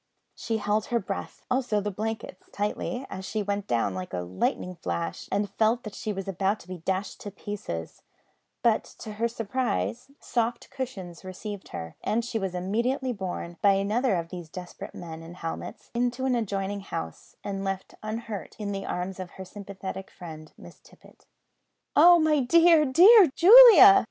She held her breath, also the blankets, tightly, as she went down like a lightning flash, and felt that she was about to be dashed to pieces, but to her surprise soft cushions received her, and she was immediately borne, by another of these desperate men in helmets, into an adjoining house, and left unhurt in the arms of her sympathetic friend Miss Tippet. "Oh, my dear, dear Julia!"